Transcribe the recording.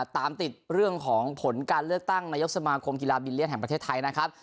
ตามติดเรื่องของผลการเลือกตั้งนายกสมาคมกีฬาบิลเลียนแห่งประเทศไทยนะครับ